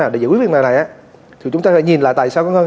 để giải quyết vấn đề này chúng ta phải nhìn lại